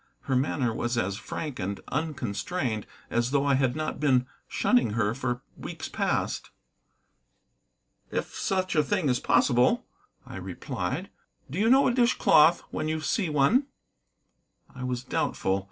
Her manner was as frank and unconstrained as though I had not been shunning her for weeks past. "If such a thing is possible," I replied. "Do you know a dish cloth when you see one?" I was doubtful.